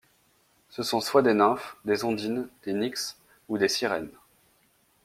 Ce sont soit des nymphes, des ondines, des nixes ou des sirènes.